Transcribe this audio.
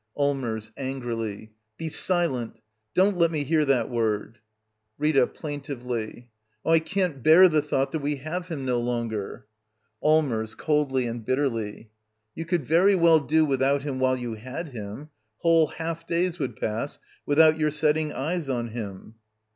Allmers. [Angrily.] Be silent 1 Don't let me hear that word ! Rita. [Plaintively.] Oh, I can't bear the thought that we have him no longer I Allmers. [Coldly and bitterly.] You could very well do without him while you had him. \' Whole half days would pass without your setting eyes on him.